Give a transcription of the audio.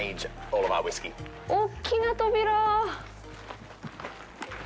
大っきな扉。